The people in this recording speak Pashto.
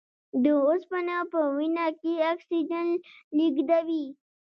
د اوسپنې په وینه کې اکسیجن لېږدوي.